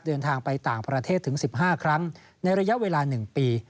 เดินทางไปต่างประเทศถึง๑๕ครั้งในระยะเวลา๑ปี